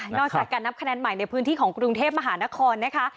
จากการนับคะแนนใหม่ในพื้นที่ของกรุงเทพมหานครนะคะ